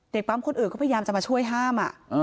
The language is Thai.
ปั๊มคนอื่นก็พยายามจะมาช่วยห้าม